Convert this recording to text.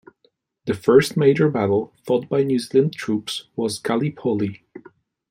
The first major battle fought by New Zealand troops was Gallipoli.